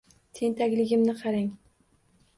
Tentakligimni qarang